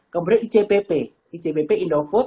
kemudian icpp icpp indofood